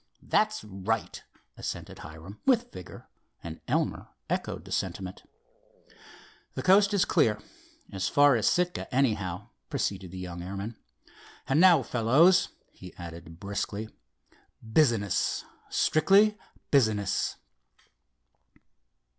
"That's right," assented Hiram, with vigor, and Elmer echoed the sentiment. "The coast is clear—as far as Sitka, anyhow," proceeded the young airman. "And now, fellows," he added briskly—"business, strictly business."